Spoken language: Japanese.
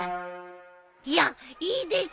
いやいいです！